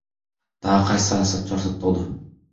Дагы кайсы саясатчылар соттолду?